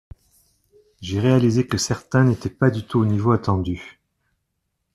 J'ai réalisé que certains n'étaient pas du tout au niveau attendu.